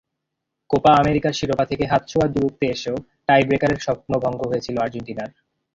Copa আমেরিকার শিরোপা থেকে হাতছোঁয়া দূরত্বে এসেও টাইব্রেকারের স্বপ্নভঙ্গ হয়েছিল আর্জেন্টিনার।